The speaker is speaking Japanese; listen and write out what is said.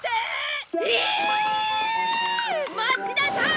待ちなさい！